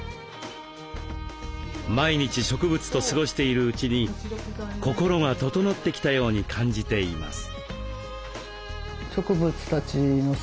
毎日植物と過ごしているうちに心が整ってきたように感じています。